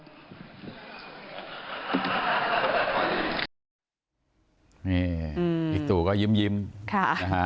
เนี่ยอีกตัวก็ยิ้มนะคะ